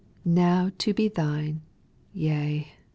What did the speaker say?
Now to be thine, yea.